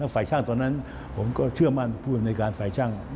ฝ่ายช่างตอนนั้นผมก็เชื่อมั่นผู้อำนวยการฝ่ายช่าง